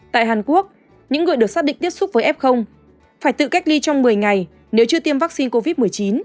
tại hàn quốc những người được xác định tiếp xúc với f phải tự cách ly trong một mươi ngày nếu chưa tiêm vaccine covid một mươi chín